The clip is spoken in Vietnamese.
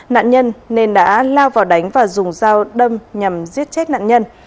nạn nhân nên đã lao vào đánh và dùng dao đâm nhằm giết chết nạn nhân